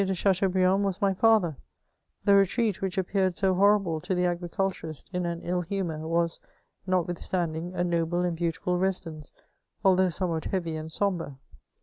de Chateaubriand was my fiither, the retreat which appeared so horrible to the agriculturist in an ill humour, was, notwithstanding, a noUe and beautiful residence, although somewhat heavy and sombre.